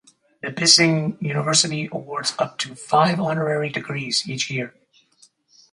Nipissing University awards up to five honorary degrees each year.